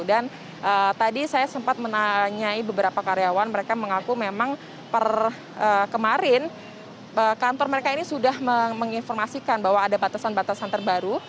dan tadi saya sempat menanyai beberapa karyawan mereka mengaku memang per kemarin kantor mereka ini sudah menginformasikan bahwa ada batasan batasan terbaru